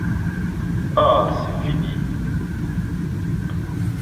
Ah ! c’est fini !